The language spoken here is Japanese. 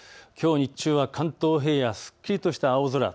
きょう日中は関東平野すっきりとした青空。